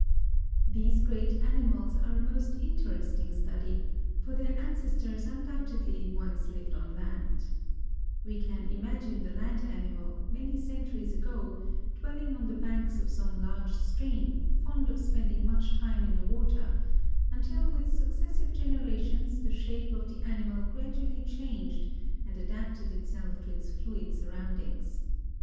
These great animals are a most interesting study, for their ancestors undoubtedly once lived on land. We can imagine the land animal, many centuries ago, dwelling on the banks of some large stream, fond of spending much time in the water, until with successive generations the shape of the animal gradually changed and adapted itself to its fluid surroundings.